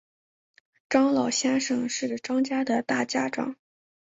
张老先生是张家的大家长